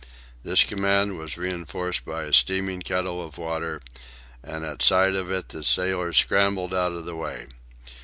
This command was reinforced by a steaming kettle of water, and at sight of it the sailors scrambled out of the way.